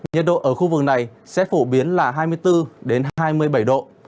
nhiệt độ ở khu vực này sẽ phổ biến là hai mươi bốn hai mươi bảy độ